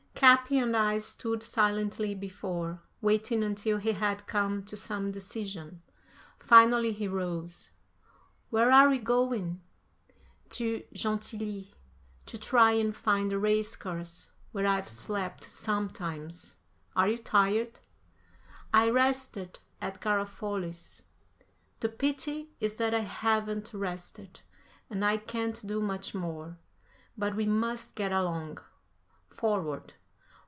Capi and I stood silently before, waiting until he had come to some decision. Finally he rose. "Where are we going?" "To Gentilly, to try and find a race course where I've slept sometimes. Are you tired?" "I rested at Garofoli's." "The pity is that I haven't rested, and I can't do much more. But we must get along. Forward!